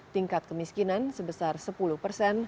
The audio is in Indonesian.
tingkat kemiskinan sebesar sepuluh persen